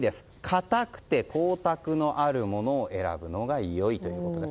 硬くて、光沢のあるものを選ぶのが良いということです。